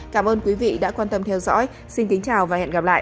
cảm ơn quý vị đã quan tâm theo dõi xin kính chào và hẹn gặp lại